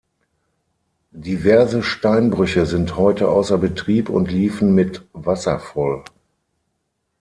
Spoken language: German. Diverse Steinbrüche sind heute außer Betrieb und liefen mit Wasser voll.